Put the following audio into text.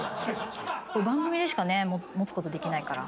これ番組でしかね持つことできないから。